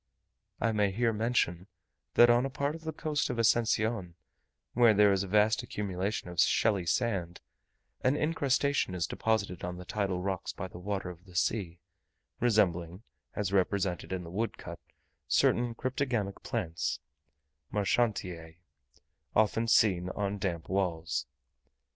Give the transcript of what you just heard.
I may here mention, that on a part of the coast of Ascension, where there is a vast accumulation of shelly sand, an incrustation is deposited on the tidal rocks by the water of the sea, resembling, as represented in the woodcut, certain cryptogamic plants (Marchantiae) often seen on damp walls.